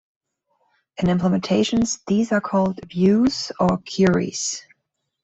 In implementations these are called "views" or "queries".